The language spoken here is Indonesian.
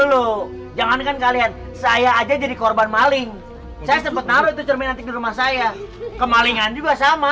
logo jangankan kalian saya aja jadi korban maling contoh terkenal itu cerminan tinggal masa ya kemaningan juga sama